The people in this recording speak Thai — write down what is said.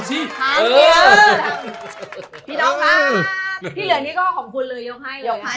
สุด